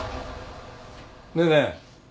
ねえねえ。